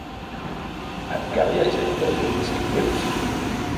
Encara hi ha gent que utilitzi clips?